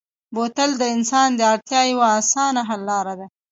بوتل د انسان د اړتیا یوه اسانه حل لاره ده.